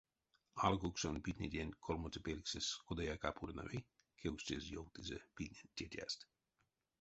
Алкуксонь питнеденть колмоце пельксэсь кодаяк а пурнави? — кевкстезь ёвтызе питненть тетяст.